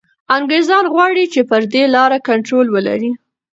انګریزان غواړي چي پر دې لاره کنټرول ولري.